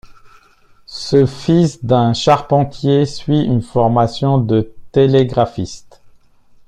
Ce fils d'un charpentier suit une formation de télégraphiste.